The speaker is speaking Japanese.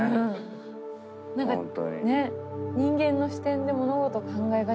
何かね人間の視点で物事考えがちですけど。